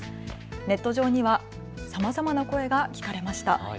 ネット上にはさまざまな声が聞かれました。